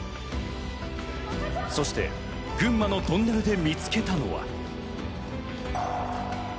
そして群馬のトンネルで見つけたのは。